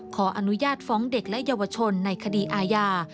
ขออนุญาตฟ้องเด็กและเยาวชนในคดีอาญา